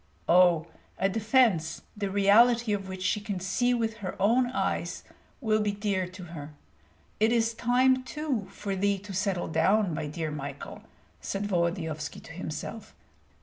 Oh, a defence the reality of which she can see with her own eyes will be dear to her. It is time too for thee to settle down, my dear Michael!" said Volodyovski to himself.